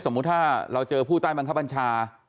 สมมุติถ้าเจอผู้ตำรงคับบัญชา